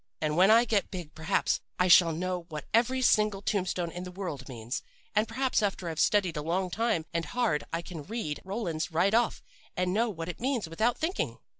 And when I get big perhaps I shall know what every single tombstone in the world means. And perhaps after I've studied a long time and hard I can read Roland's right off and know what it means without thinking.